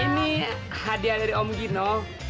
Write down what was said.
ini hadiah dari om gino